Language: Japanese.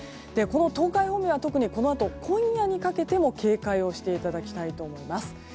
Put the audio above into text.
東海方面はこのあと今夜にかけても警戒をしていただきたいと思います。